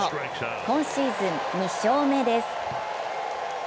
今シーズン２勝目です。